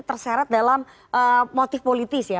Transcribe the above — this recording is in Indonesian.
terseret dalam motif politis ya